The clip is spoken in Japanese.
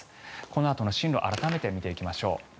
このあとの進路を改めて見ていきましょう。